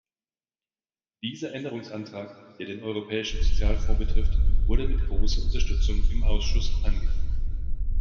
Dieser Änderungsantrag, der den Europäischen Sozialfonds betrifft, wurde mit großer Unterstützung im Ausschuss angenommen.